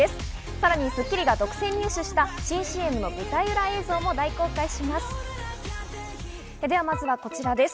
さらに『スッキリ』が独占入手した新ＣＭの舞台裏映像も大公開します。